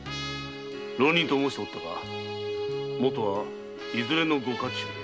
浪人と申しておったが元はいずれのご家中で？